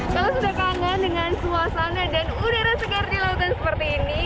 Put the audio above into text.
kalau sudah kangen dengan suasana dan udara segar di lautan seperti ini